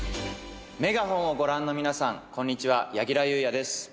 『メガホン』をご覧の皆さんこんにちは柳楽優弥です。